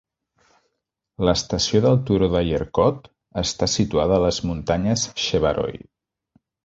L'estació del turó de Yercaud està situada a les muntanyes Shevaroy.